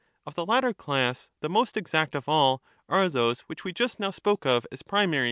Of the latter class, the most exact of all are those which we just now spoke of as primary.